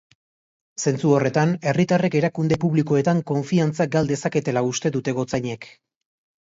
Zentzu horretan, herritarrek erakunde publikoetan konfiantza gal dezaketela uste dute gotzainek.